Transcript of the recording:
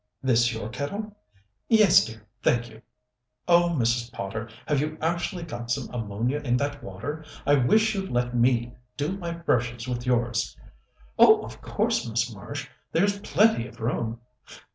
"This your kettle?" "Yes, dear, thank you." "Oh, Mrs. Potter, have you actually got some ammonia in that water? I wish you'd let me do my brushes with yours." "Of course, Miss Marsh. There's plenty of room."